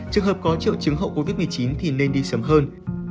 trường hợp có triệu chứng hậu covid một mươi chín thì nên đi sớm hơn